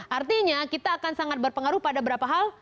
artinya kita akan sangat berpengaruh pada beberapa hal